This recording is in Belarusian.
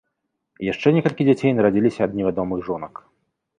Яшчэ некалькі дзяцей нарадзілася ад невядомых жонак.